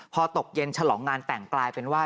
พอตกเย็นฉลองงานแต่งกลายเป็นว่า